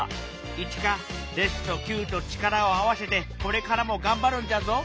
「イチカレスとキューと力を合わせてこれからもがんばるんじゃぞ」。